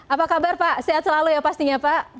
apa kabar pak sehat selalu ya pastinya pak